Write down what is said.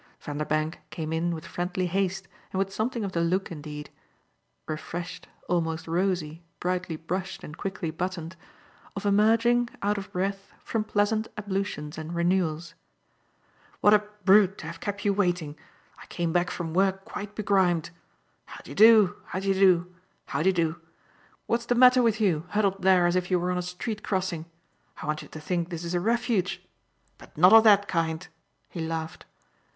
Vanderbank came in with friendly haste and with something of the look indeed refreshed, almost rosy, brightly brushed and quickly buttoned of emerging, out of breath, from pleasant ablutions and renewals. "What a brute to have kept you waiting! I came back from work quite begrimed. How d'ye do, how d'ye do, how d'ye do? What's the matter with you, huddled there as if you were on a street crossing? I want you to think this a refuge but not of that kind!" he laughed.